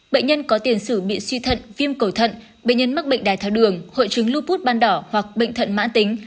bệnh nhân có tiền sử bị suy thận viêm cầu thận bệnh nhân mắc bệnh đài tháo đường hội chứng lupus ban đỏ hoặc bệnh thận mãn tính